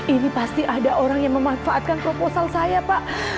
ini pasti ada orang yang memanfaatkan proposal saya pak